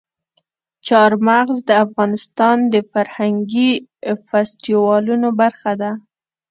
چار مغز د افغانستان د فرهنګي فستیوالونو برخه ده.